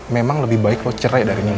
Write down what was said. memang lebih baik lo cerai dari nino